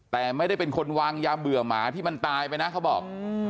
แต่ไม่ได้เป็นคนวางยาเบื่อหมาที่มันตายไปนะเขาบอก